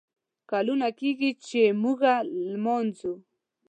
کلونه کیږي ، چې موږه لمانځو